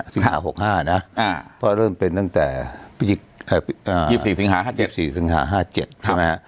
สิงหา๖๕นะเพราะเริ่มเป็นตั้งแต่๒๔สิงหา๕๗